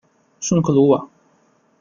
圣克鲁瓦。